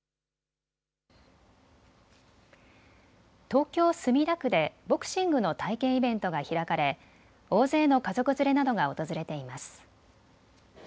東京墨田区でボクシングの体験イベントが開かれ大勢の家族連れなどが訪れています。